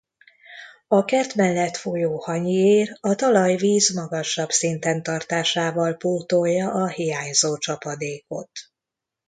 A kert mellett folyó Hanyi-ér a talajvíz magasabb szinten tartásával pótolja a hiányzó csapadékot.